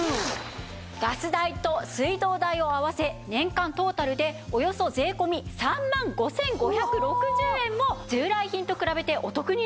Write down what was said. ガス代と水道代を合わせ年間トータルでおよそ税込３万５５６０円も従来品と比べてお得になるんです。